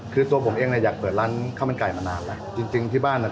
คือพี่ต้องมีความคิดในหัวว่า